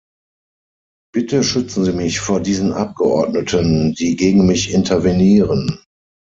Bitte schützen Sie mich vor diesen Abgeordneten, die gegen mich intervenieren.